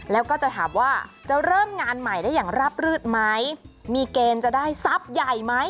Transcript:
แล้วก็จะถามว่าจะเริ่มงานใหม่ได้อย่างราบรืดไหมมีเกณฑ์จะได้ทรัพย์ใหญ่ไหม